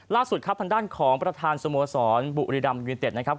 ล่าสุดครับทางด้านของประธานสโมสรบุรีรัมยูนิเต็ดนะครับ